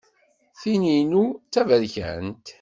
Tin-inu d taberkant!